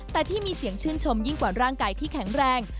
แต่ที่มีเสียงชื่นชมยิ่งกว่าร่างกายที่แข็งแรง